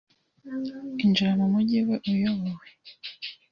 Injira mu mujyi we uyobowe